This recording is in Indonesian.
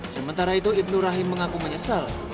sementara itu ibnu rahim mengaku menyesal